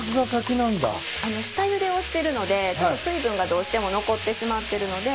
下ゆでをしてるのでちょっと水分がどうしても残ってしまってるので。